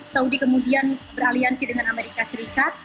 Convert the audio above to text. saudi kemudian beraliansi dengan amerika serikat